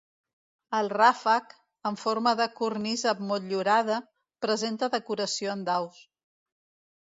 El ràfec, en forma de cornisa motllurada, presenta decoració en daus.